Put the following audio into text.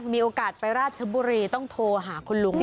มีโอกาสไปราชบุรีต้องโทรหาคุณลุง